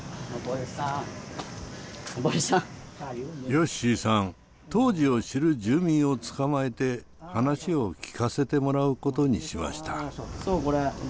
よっしーさん当時を知る住民をつかまえて話を聞かせてもらうことにしました。